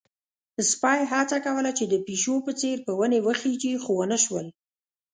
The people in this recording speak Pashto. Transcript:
سپی هڅه کوله چې د پيشو په څېر په ونې وخيژي، خو ونه شول.